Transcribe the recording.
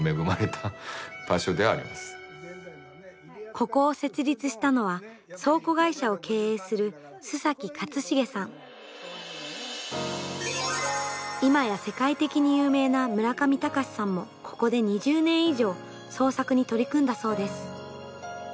ここを設立したのは今や世界的に有名な村上隆さんもここで２０年以上創作に取り組んだそうです。